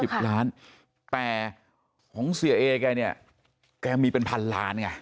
ล้านแต่ของเสียเอแกเนี่ยแกมีเป็นพันล้านไง